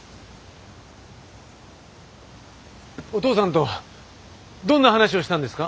お父さんとどんな話をしたんですか？